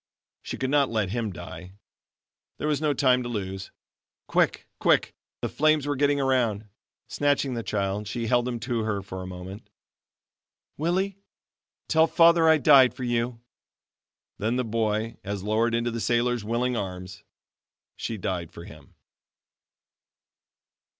She could not let him die. There was no time to lose. Quick! quick! The flames were getting around. Snatching the child, she held him to her a moment. "Willie, tell Father I died for you!" Then the boy as lowered into the sailor's willing arms. She died for him.